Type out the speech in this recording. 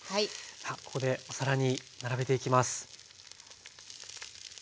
さあここでお皿に並べていきます。